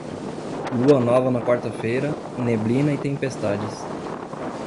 Lua nova na quarta-feira, neblina e tempestades.